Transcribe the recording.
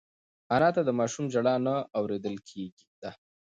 انا ته د ماشوم ژړا نه اورېدل کېده.